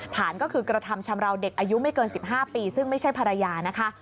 ฐานก็คือกระทำชำราวเด็กอายุไม่เกิน๑๕ปีซึ่งไม่ใช่ภรรยานะคะ